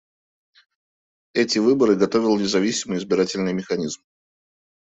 Эти выборы готовил независимый избирательный механизм.